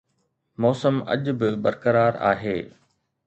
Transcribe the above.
موسم اڄ به برقرار آهي